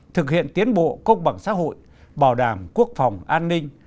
thực hiện tiến bộ công bằng xã hội bảo đảm quốc phòng an ninh